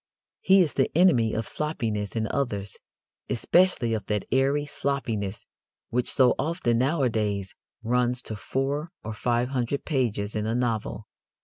He is the enemy of sloppiness in others especially of that airy sloppiness which so often nowadays runs to four or five hundred pages in a novel.